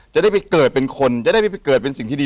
จะได้ไปเกิดเป็นคนจะได้ไปเกิดเป็นสิ่งที่ดี